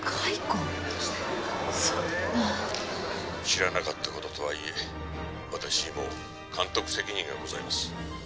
「知らなかった事とはいえ私にも監督責任がございます」